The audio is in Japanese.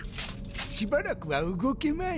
しばらくは動けまい。